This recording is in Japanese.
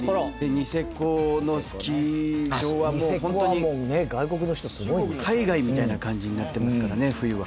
ニセコのスキー場はもうホントに海外みたいな感じになってますからね冬は。